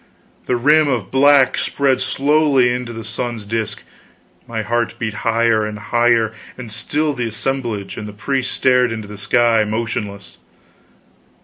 The rim of black spread slowly into the sun's disk, my heart beat higher and higher, and still the assemblage and the priest stared into the sky, motionless.